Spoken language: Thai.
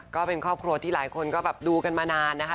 ก็เป็นครอบครัวที่หลายคนก็แบบดูกันมานานนะคะ